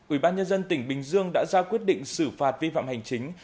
ủy ban nhân dân tỉnh bình dương đã ra quyết định xử phạt vi phạm hành chính